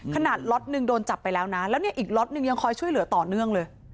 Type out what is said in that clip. ล็อตนึงโดนจับไปแล้วนะแล้วเนี่ยอีกล็อตนึงยังคอยช่วยเหลือต่อเนื่องเลย